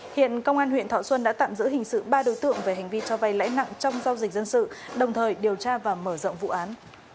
hiện công an huyện thọ xuân đã tạm giữ hình sự ba đối tượng về hành vi cho vay lãi nặng trong giao dịch dân sự đồng thời điều tra và mở rộng vụ án